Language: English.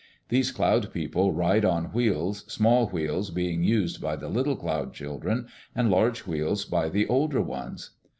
These Cloud People ride on wheels, small wheels being used by the little Cloud children and large wheels by the older ones.